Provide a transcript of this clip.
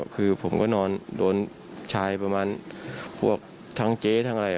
คือผมก็นอนโดนชายประมาณพวกทั้งเจ๊ทั้งอะไร